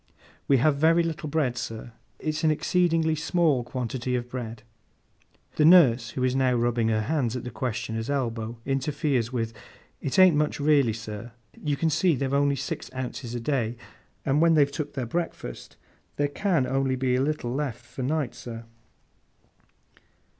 'We have very little bread, sir. It's an exceedingly small quantity of bread.' The nurse, who is now rubbing her hands at the questioner's elbow, interferes with, 'It ain't much raly, sir. You see they've only six ounces a day, and when they've took their breakfast, there can only be a little left for night, sir.